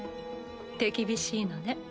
手厳しいのね。